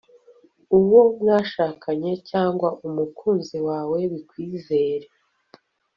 uwo mwashakanye cyangwa umukunzi wawe bikwizere